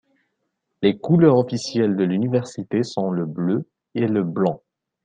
Les couleurs officielles de l’université sont le bleu et le blanc.